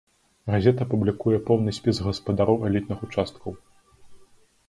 Газета публікуе поўны спіс гаспадароў элітных участкаў.